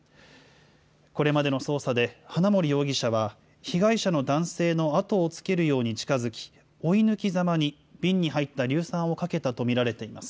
これまでの捜査で、花森容疑者は被害者の男性の後をつけるように近づき、追い抜きざまに瓶に入った硫酸をかけたと見られています。